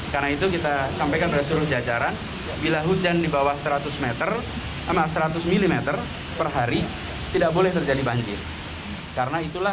karena itu kita sampaikan pada seluruh jajaran bila hujan di bawah seratus mm per hari tidak boleh terjadi banjir